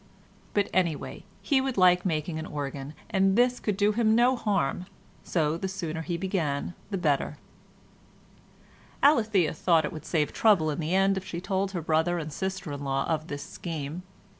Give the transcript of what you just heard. . But, anyway, he would like making an organ, and this could do him no harm, so the sooner he began the better. Alethea thought it would save trouble in the end if she told her brother and sister in law of this scheme.